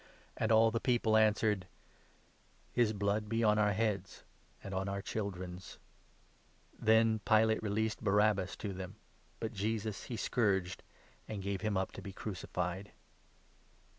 And all the people answered :" His blood be on our heads and on our children's !" Then Pilate released Barabbas to them ; but Jesus he scourged, and gave him up to be crucified.